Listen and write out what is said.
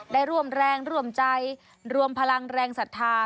ได้ร่วมแรงร่วมใจรวมพลังแรงศรัทธา